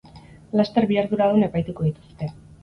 Laster bi arduradun epaituko dituzte.